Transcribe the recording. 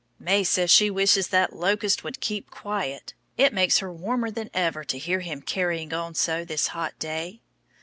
May says she wishes that locust would keep quiet. It makes her warmer than ever to hear him carrying on so this hot day.